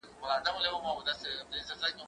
زه ږغ نه اورم!؟